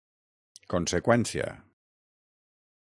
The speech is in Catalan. Conseqüència: